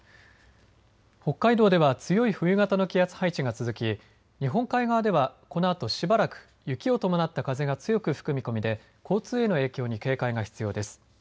北海道では強い冬型の気圧配置が続き日本海側では、このあとしばらく雪を伴った風が強く吹く見込みで交通への影響に警戒が必要です。